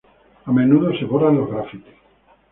A menudo se borran los grafitis.